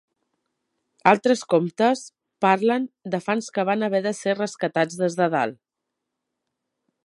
Altres comptes parlen de fans que van haver de ser rescatats des de dalt.